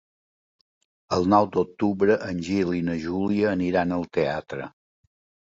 El nou d'octubre en Gil i na Júlia aniran al teatre.